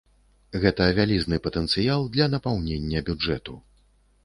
Гэта вялізны патэнцыял для напаўнення бюджэту.